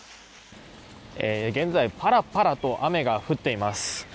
現在パラパラと雨が降っています。